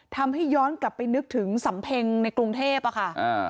ย้อนกลับไปนึกถึงสำเพ็งในกรุงเทพอะค่ะ